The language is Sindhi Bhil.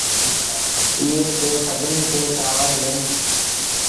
ايئي تي سڀنيٚ کي ڪآوڙ لڳيٚ۔